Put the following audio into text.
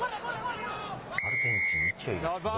アルゼンチンボールです。